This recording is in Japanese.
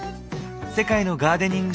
世界のガーデニング